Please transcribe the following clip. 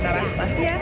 taras pas ya